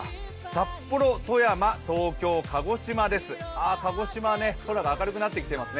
札幌、富山、東京、鹿児島です、鹿児島、空が明るくなっています。